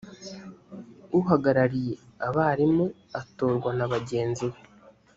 uhagarariye abarimu atorwa na bagenzi be